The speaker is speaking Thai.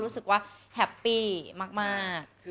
สวัสดีค่ะ